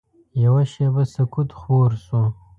یوه شېبه سکوت خور شو.